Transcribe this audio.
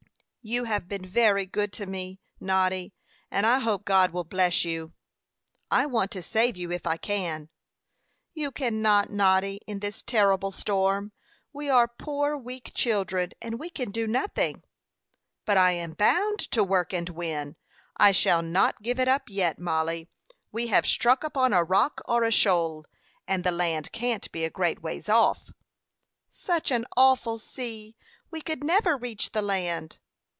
"You have been very good to me, Noddy; and I hope God will bless you." "I want to save you if I can." "You cannot, Noddy, in this terrible storm. We are poor weak children, and we can do nothing." "But I am bound to work and win. I shall not give it up yet, Mollie. We have struck upon a rock or a shoal, and the land can't be a great ways off." "Such an awful sea! We could never reach the land."